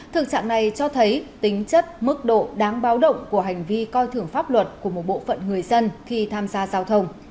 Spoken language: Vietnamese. thực trạng này cho thấy tính chất mức độ đáng báo động của hành vi coi thường pháp luật của một bộ phận người dân khi tham gia giao thông